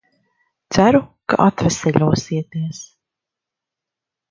Ceru, ka atveseļosieties.